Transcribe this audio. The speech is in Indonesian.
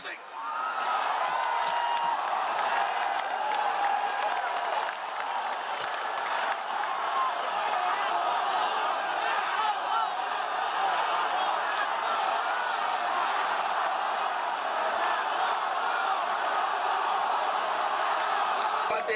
sampai jumpa lagi